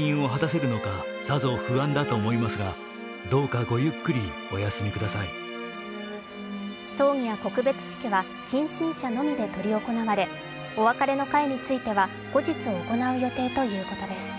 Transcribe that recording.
次元役を引き継いだ大塚明夫さんは葬儀や告別式は近親者のみで執り行われお別れの会については後日、行う予定ということです。